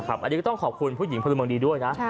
อันนี้ก็ต้องขอบคุณผู้หญิงพลเมืองดีด้วยนะ